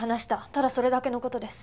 ただそれだけの事です。